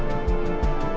sambil nunggu kita